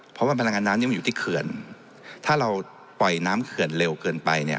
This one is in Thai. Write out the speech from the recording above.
เพราะว่าพลังงานน้ำนี้มันอยู่ที่เขื่อนถ้าเราปล่อยน้ำเขื่อนเร็วเกินไปเนี่ย